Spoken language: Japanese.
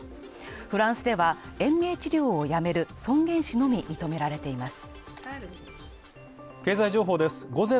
フランスでは延命治療をやめる、尊厳死のみ認められています。